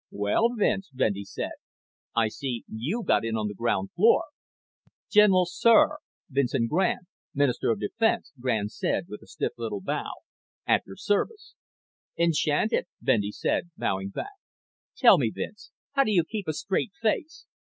"Well, Vince," Bendy said. "I see you got in on the ground floor." "General Sir Vincent Grande, Minister of Defense," Grande said with a stiff little bow, "at your service." "Enchanted," Bendy said, bowing back. "Tell me, Vince, how do you keep a straight face?"